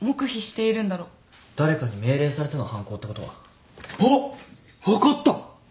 誰かに命令されての犯行ってことは？あっ！分かった！